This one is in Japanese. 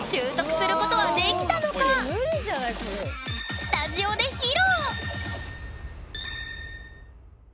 スタジオで披露！